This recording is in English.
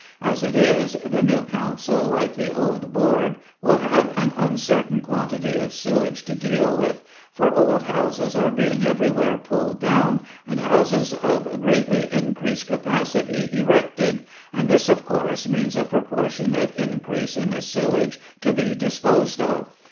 As it is, the new Council, like the old Board, will have an uncertain quantity of sewage to deal with, for old houses are being everywhere pulled down, and houses of greatly increased capacity erected, and this of course means a proportionate increase in the sewage to be disposed of.